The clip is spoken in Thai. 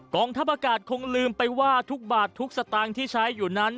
งทัพอากาศคงลืมไปว่าทุกบาททุกสตางค์ที่ใช้อยู่นั้น